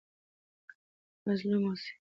مظلوم مه اوسئ.